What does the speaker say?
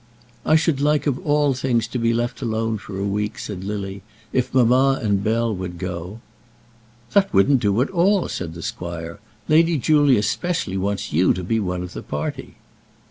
"I should like of all things to be left alone for a week," said Lily, "if mamma and Bell would go." "That wouldn't do at all," said the squire. "Lady Julia specially wants you to be one of the party."